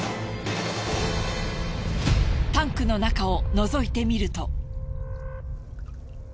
タンクの中を覗いてみると。